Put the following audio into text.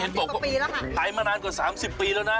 บอกว่าขายมานานกว่า๓๐ปีแล้วนะ